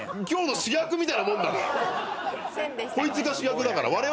今日の主役みたいなもんだから。